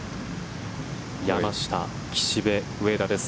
山下、岸部、上田です。